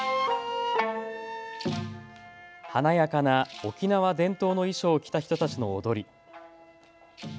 華やかな沖縄伝統の衣装を着た人たちの踊り。